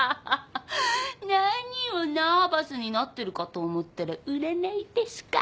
何をナーバスになってるかと思ったら占いですか。